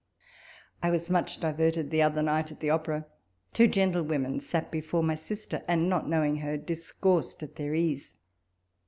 I was much diverted the other night at the opera ; two gentlewomen sat before my sister, and not knowing her, discoursed at their ease.